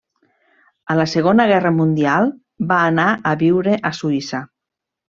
A la Segona Guerra Mundial va anar a viure a Suïssa.